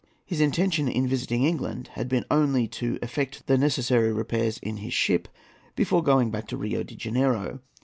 His intention in visiting England had been only to effect the necessary repairs in his ship before going back to Rio de Janeiro.